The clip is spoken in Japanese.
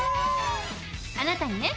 あなたにね